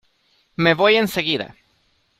Me voy enseguida.